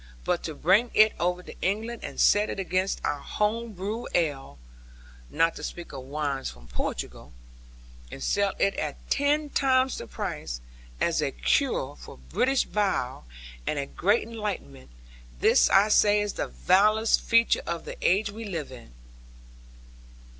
But to bring it over to England and set it against our home brewed ale (not to speak of wines from Portugal) and sell it at ten times the price, as a cure for British bile, and a great enlightenment; this I say is the vilest feature of the age we live in.